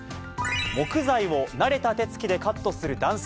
木材を慣れた手つきでカットする男性。